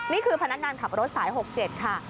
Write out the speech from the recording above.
นี่คือพนักงานขับรถสาย๖๗ค่ะ